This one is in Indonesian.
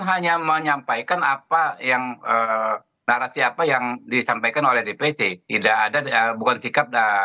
hanya menyampaikan apa yang narasi apa yang disampaikan oleh dpc tidak ada bukan sikap